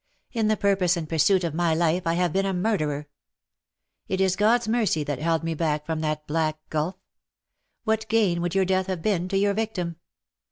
In the purpose and pursuit of my life I have been a murderer. It is God^s mercy that held me back from that black gulf. What gain would your death have been to your victim